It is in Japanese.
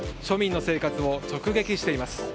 庶民の生活を直撃しています。